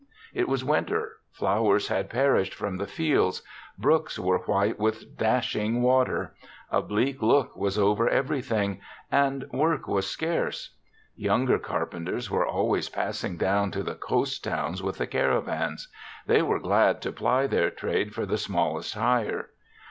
It was winter; flowers had perished from the fields; brooks were white with dashing water; a bleak look was over everything, and work was scarce. Younger carpen ters were always passing down to the coast towns with the caravans; they were glad to ply their trade for the smallest hire.